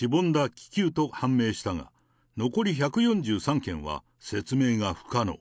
気球と判明したが、残り１４３件は説明が不可能。